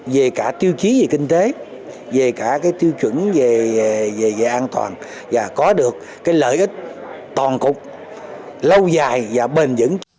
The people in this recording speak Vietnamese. về cả tiêu chí về kinh tế về cả tiêu chuẩn về an toàn và có được lợi ích toàn cục lâu dài và bền dững